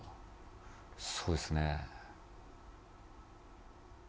そうですね。